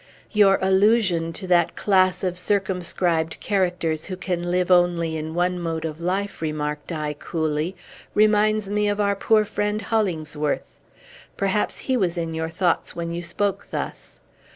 "Your allusion to that class of circumscribed characters who can live only in one mode of life," remarked I coolly, "reminds me of our poor friend Hollingsworth. Possibly he was in your thoughts when you spoke thus.